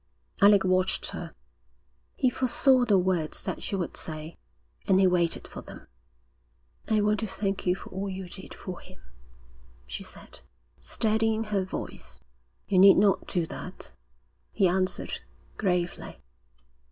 Alec watched her. He foresaw the words that she would say, and he waited for them. 'I want to thank you for all you did for him,' she said, steadying her voice. 'You need not do that,' he answered, gravely.